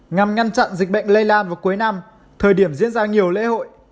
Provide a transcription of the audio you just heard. nhằm ngăn chặn dịch bệnh lây lan vào cuối năm thời điểm diễn ra nhiều lễ hội